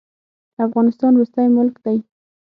افغانستان وروستی ملک دی.